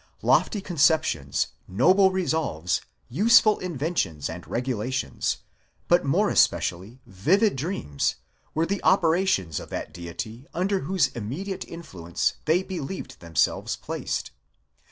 Lofty conceptions, noble resolves, use ful inventions and regulations, but more especially vivid dreams, were the operations of that Deity under whose immediate influence they believed themselves placed.